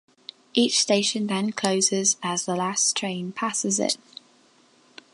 Each station then closes as the last train passes it.